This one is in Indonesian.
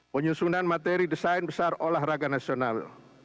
penyusunan materi desain besar olahraga nasional